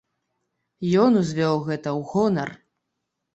Ён узвёў гэта ў гонар.